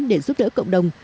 để giúp đỡ cộng đồng